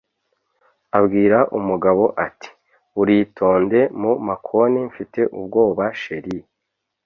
abwira umugabo ati "uritonde mu makoni mfite ubwoba sheri